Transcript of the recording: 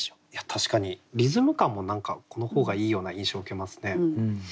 確かにリズム感も何かこの方がいいような印象を受けますね。